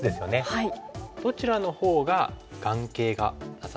はい。